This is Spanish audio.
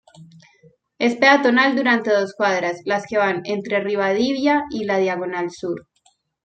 Es peatonal durante dos cuadras, las que van entre Rivadavia y la Diagonal Sur.